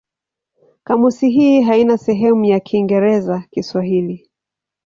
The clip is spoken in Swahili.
Kamusi hii haina sehemu ya Kiingereza-Kiswahili.